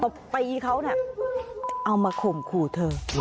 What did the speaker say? พอตีเขาเนี่ยเอามาข่มขู่เธอ